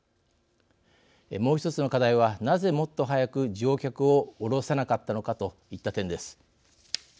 もう１つの課題はなぜもっと早く乗客を降ろさなかったのかといった点です。